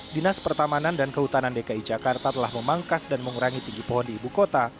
dinas pertamanan dan kehutanan dki jakarta telah memangkas dan mengurangi tinggi pohon di ibu kota